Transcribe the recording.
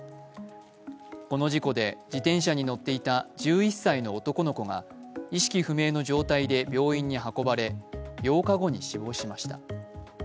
この事故で自転車に乗っていた１１歳の男の子が意識不明の状態で病院に運ばれ８日後に死亡しました。